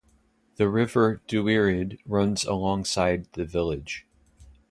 The River Dwyryd runs alongside the village.